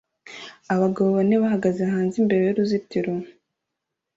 Abagabo bane bahagaze hanze imbere y'uruzitiro